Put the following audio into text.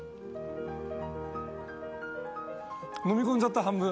飲み込んじゃった半分。